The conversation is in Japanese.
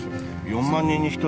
４万人に１人？